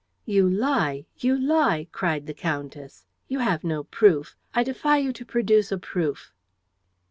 "You lie! You lie!" cried the countess. "You have no proof. I defy you to produce a proof."